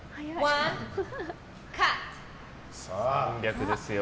３００ですよ。